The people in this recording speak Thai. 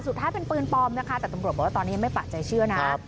สุดท้ายเป็นปืนปลอมนะคะแต่ตำรวจบอกว่าตอนนี้ยังไม่ปะใจเชื่อนะ